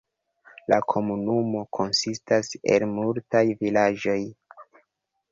La komunumo konsistas el multaj vilaĝoj.